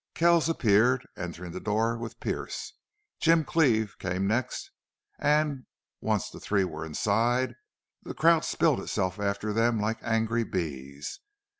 Kells appeared, entering the door with Pearce. Jim Cleve came next, and, once the three were inside, the crowd spilled itself after them like angry bees.